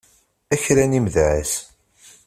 A kra n imedεas!